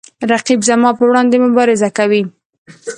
رقیب زما په وړاندې مبارزه کوي